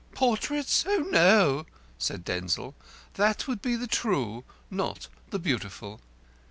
"Portraits? Oh, no!" said Denzil. "That would be the True, not the Beautiful."